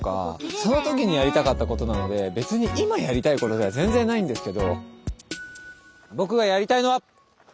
そのときにやりたかったことなので別に今やりたいことでは全然ないんですけど。